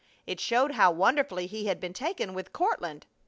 It showed how wonderfully he had been taken with Courtland.